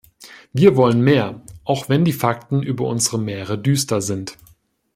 Wir wollen mehr, auch wenn die Fakten über unsere Meere düster sind.